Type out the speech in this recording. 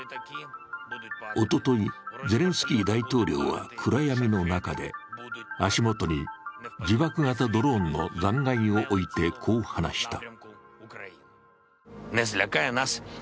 おととい、ゼレンスキー大統領は暗闇の中で足元に自爆型ドローンの残骸を置いて、こう話した。